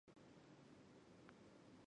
奥克施泰提亚东部地区多湖泊。